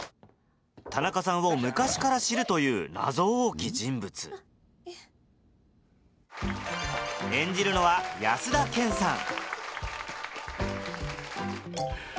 田中さんを昔から知るという謎多き人物演じるのは安田顕さん